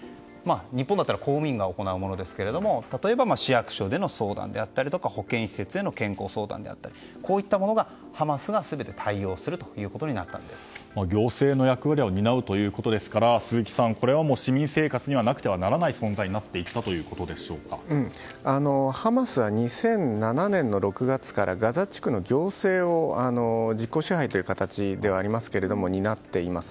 日本だったら公務員が行うものですけれども例えば、市役所での相談や保健施設への健康相談こういったものがハマスが全て対応するということに行政の役割を担うということですから鈴木さん、市民生活にはなくてはならないものにハマスは２００７年の６月からガザ地区の行政を実効支配という形ではありますが担っています。